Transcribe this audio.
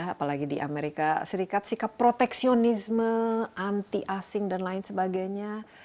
apalagi di amerika serikat sikap proteksionisme anti asing dan lain sebagainya